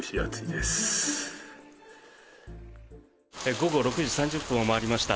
午後６時３０分を回りました。